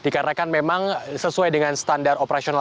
karena memang sesuai dengan standar operasional